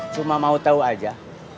cuma mau tahu aja